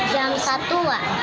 jam satu wak